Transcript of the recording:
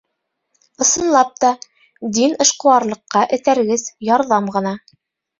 Ысынлап та, дин эшҡыуарлыҡҡа этәргес, ярҙам ғына.